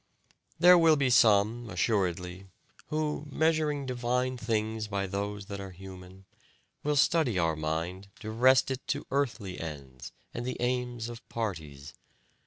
"There will be some, assuredly, who, measuring divine things by those that are human, will study our mind to wrest it to earthly ends and the aims of parties.